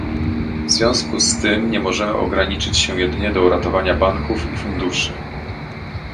W związku z tym nie możemy ograniczyć się jedynie do ratowania banków i funduszy